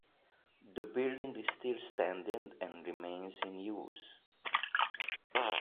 The building is still standing and remains in use.